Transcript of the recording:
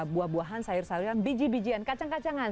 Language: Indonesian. buah buahan sayur sayuran biji bijian kacang kacangan